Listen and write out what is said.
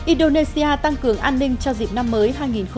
indonesia tăng cường an ninh cho dịp năm mới hai nghìn một mươi tám